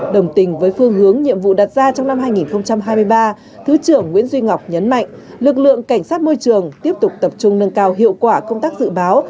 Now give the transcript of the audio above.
đồng tình với phương hướng nhiệm vụ đặt ra trong năm hai nghìn hai mươi ba thứ trưởng nguyễn duy ngọc nhấn mạnh lực lượng cảnh sát môi trường tiếp tục tập trung nâng cao hiệu quả công tác dự báo